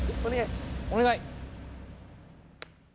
お願い。